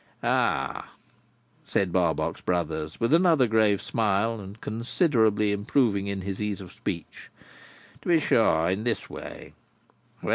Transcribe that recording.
"Ah!" said Barbox Brothers, with another grave smile, and considerably improving in his ease of speech. "To be sure. In this way.